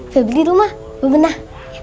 saya beli di rumah bener